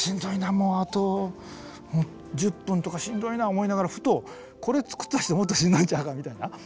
もうあと１０分とかしんどいな思いながらふとこれつくった人もっとしんどいんちゃうかみたいな。